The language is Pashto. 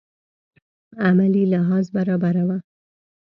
عملي لحاظ برابره وه.